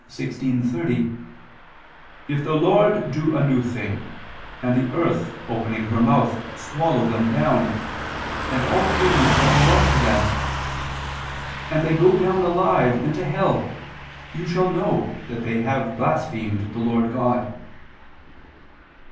16:30): "If the Lord do a new thing, and the earth opening her mouth swallow them down, and all things that belong to them, and they go down alive into hell, you shall know that they have blasphemed the Lord God."